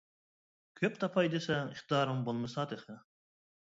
كۆپ تاپاي دېسەڭ ئىقتىدارىڭ بولمىسا تېخى.